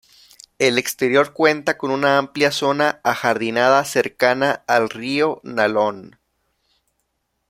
El exterior cuenta con una amplia zona ajardinada cercana al río Nalón.